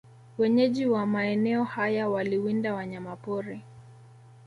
Wenyeji wa maeneo haya waliwinda wanyama pori